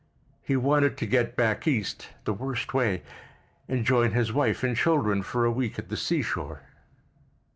He wanted to get back East the worst way, and join his wife and children for a week at the seashore.